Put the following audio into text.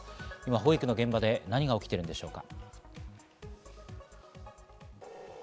保育の現場で今、何が起きているのでしょうか？